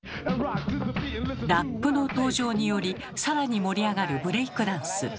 ラップの登場により更に盛り上がるブレイクダンス。